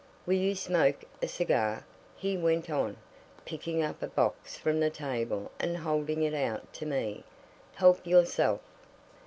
Will you smoke a cigar?" he went on, picking up a box from the table and holding it out to me. "Help yourself."